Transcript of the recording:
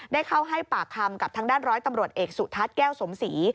ได้เข้าให้ปากคำกับทางด้านร้อยตำรวจเอกสุทัศน์แก้วสมศรี